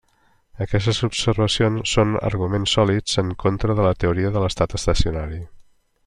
Aquestes observacions són arguments sòlids en contra de la teoria de l'estat estacionari.